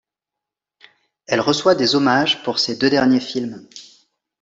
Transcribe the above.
Elle reçoit des hommages pour ces deux derniers films.